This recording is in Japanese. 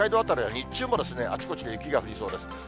辺りは、日中もあちこちで雪が降りそうです。